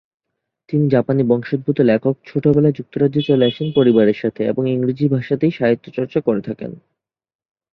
তিনি জাপানী বংশোদ্ভূত লেখক ছোটবেলায় যুক্তরাজ্যে চলে আসেন পরিবারের সাথে, এবং ইংরেজি ভাষাতেই সাহিত্যচর্চা করে থাকেন।